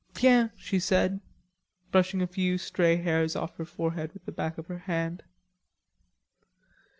"Tiens," she said, brushing a few stray hairs off her forehead with the back of her hand.